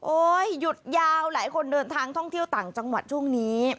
หยุดยาวหลายคนเดินทางท่องเที่ยวต่างจังหวัดช่วงนี้